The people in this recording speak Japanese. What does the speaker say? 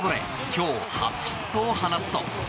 今日初ヒットを放つと。